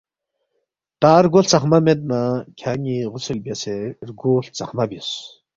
تا رگو ہلژخمہ مید نہ کھیان٘ی غسل بیاسے رگو ہلژخمہ بیوس